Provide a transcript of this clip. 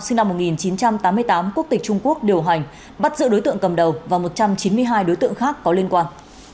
sinh năm một nghìn chín trăm tám mươi tám quốc tịch trung quốc điều hành bắt giữ đối tượng cầm đầu và một trăm chín mươi hai đối tượng khác có liên quan